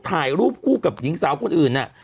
ถ่ายรูปคู่กับหญิงสาวคนอื่นน่ะ